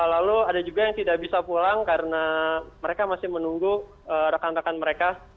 lalu ada juga yang tidak bisa pulang karena mereka masih menunggu rekan rekan mereka